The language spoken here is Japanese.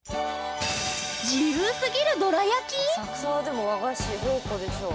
浅草はでも和菓子宝庫でしょう。